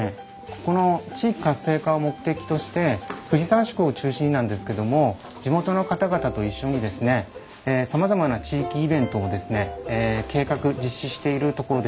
ここの地域活性化を目的として藤沢宿を中心になんですけども地元の方々と一緒にさまざまな地域イベントをですね計画実施しているところです。